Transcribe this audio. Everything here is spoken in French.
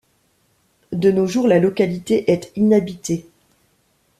De nos jours, la localité est inhabitée.